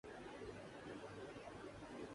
Media میں غیر جانبداری کا فقدان تشویش ناک ہے۔